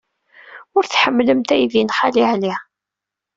Ur tḥemmlemt aydi n Xali Ɛli.